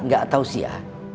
ustadz gak tau sih ya